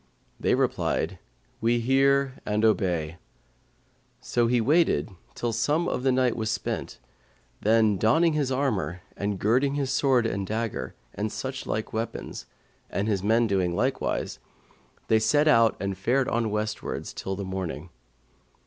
They replied, 'We hear and we obey:' so he waited till some little of the night was spent then, donning his armour and girding his sword and dagger and such like weapons, and his men doing likewise, they set out and fared on westwards till morning.